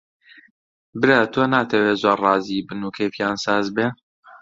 برا تۆ ناتەوێ زۆر ڕازی بن و کەیفیان ساز بێ؟